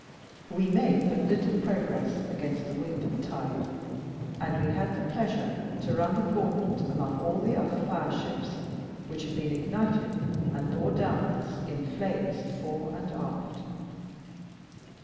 We made but little progress against the wind and tide; and we had the pleasure to run the gauntlet among all the other fire ships, which had been ignited, and bore down on us in flames fore and aft.